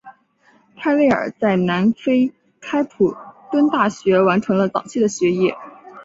泰累尔在南非开普敦大学完成了早期的学业。